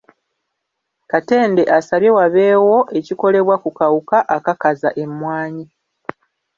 Katende asabye wabeewo ekikolebwa ku kawuka akakaza emmwanyi